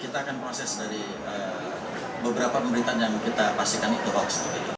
kita akan proses dari beberapa pemberitaan yang kita pastikan itu hoax